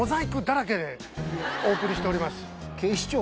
でお送りしております。